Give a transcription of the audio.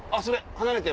離れて。